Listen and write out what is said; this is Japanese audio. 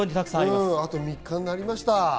あと３日となりました。